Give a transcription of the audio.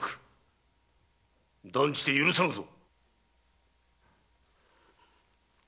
断じて許さぬぞ！